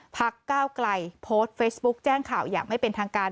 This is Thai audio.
พักก้าวไกลโพสต์เฟซบุ๊กแจ้งข่าวอย่างไม่เป็นทางการ